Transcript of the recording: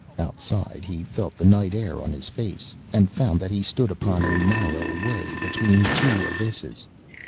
Outside he felt the night air on his face, and found that he stood upon a narrow way between two abysses.